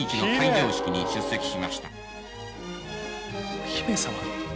お姫様。